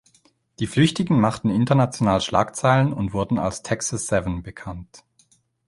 Die Flüchtigen machten international Schlagzeilen und wurden als „Texas Seven“ bekannt.